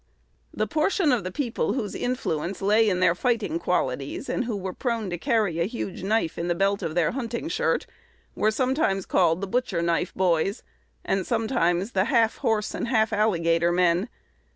That portion of the people whose influence lay in their fighting qualities, and who were prone to carry a huge knife in the belt of the hunting shirt, were sometimes called the "butcher knife boys," and sometimes "the half horse and half alligator men."